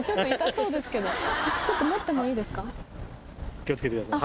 気を付けてください